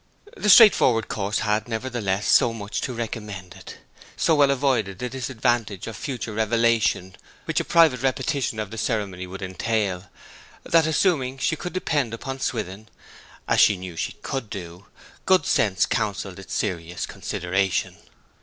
The straightforward course had, nevertheless, so much to recommend it, so well avoided the disadvantage of future revelation which a private repetition of the ceremony would entail, that assuming she could depend upon Swithin, as she knew she could do, good sense counselled its serious consideration.